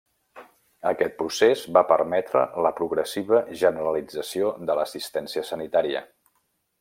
Aquest procés va permetre la progressiva generalització de l'assistència sanitària.